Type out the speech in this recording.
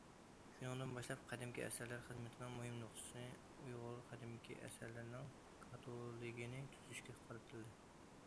شۇنىڭدىن باشلاپ قەدىمكى ئەسەرلەر خىزمىتىنىڭ مۇھىم نۇقتىسى ئۇيغۇر قەدىمكى ئەسەرلىرىنىڭ كاتالوگىنى تۈزۈشكە قارىتىلدى.